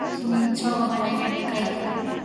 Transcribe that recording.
"Shimintrawqa ""manallami"" kaykan."